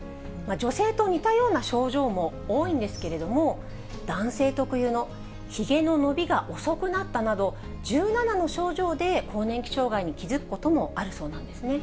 女性と似たような症状も多いんですけれども、男性特有のひげの伸びが遅くなったなど、１７の症状で更年期障害に気付くこともあるそうなんですね。